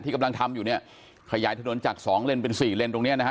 กำลังทำอยู่เนี่ยขยายถนนจากสองเลนเป็นสี่เลนตรงเนี้ยนะฮะ